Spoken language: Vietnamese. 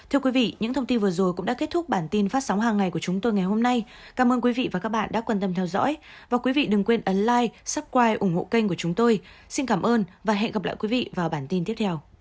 hãy đăng ký kênh để ủng hộ kênh của mình nhé